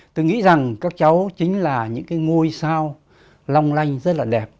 tôi nghĩ rằng các cháu chính là những cái ngôi sao long lanh rất là đẹp